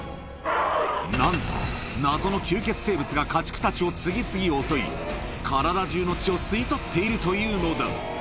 なんと謎の吸血生物が家畜たちを次々襲い、体中の血を吸い取っているというのだ。